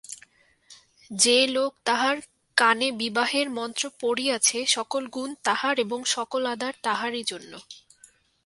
যে লোক তাহার কানেবিবাহের মন্ত্র পড়িয়াছে সকল গুণ তাহার এবং সকল আদর তাহারই জন্য।